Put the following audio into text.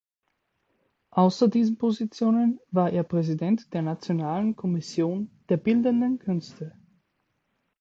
Außer diesen Positionen war er Präsident der Nationalen Kommission der bildenden Künste.